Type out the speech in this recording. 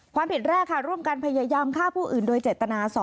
เหตุแรกค่ะร่วมกันพยายามฆ่าผู้อื่นโดยเจตนา๒